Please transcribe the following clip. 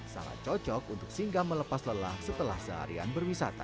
sangat cocok untuk singgah melepas lelah setelah seharian berwisata